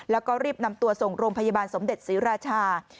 แล้วก็รีบนำตัวส่งโรงพยาบาลสมเด็จศรีราชา